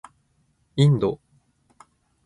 インド